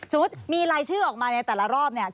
สมมุติมีรายชื่อออกมาในแต่ละรอบเนี่ย